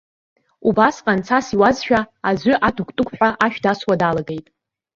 Убасҟан, цас иуазшәа, аӡәы атыгә-тыгәҳәа ашә дасуа далагеит.